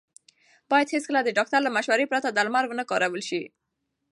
باید هېڅکله د ډاکټر له مشورې پرته درمل ونه کارول شي.